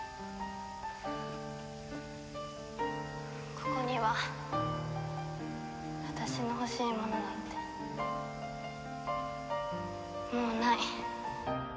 ここには私の欲しいものなんてもうない。